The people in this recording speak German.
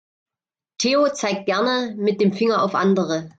Theo zeigt gerne mit dem Finger auf andere.